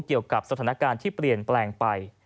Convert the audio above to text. เกี่ยวกับสถานการณ์ที่เปลี่ยนแปลงไป